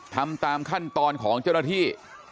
ทำตามขั้นตอนของเจ้าหน้าที่